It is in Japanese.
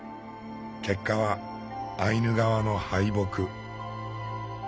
結果はアイヌ側の敗北。